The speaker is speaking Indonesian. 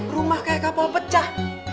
rumah kayak kapal pecah